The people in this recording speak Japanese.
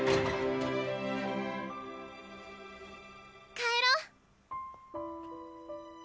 帰ろう。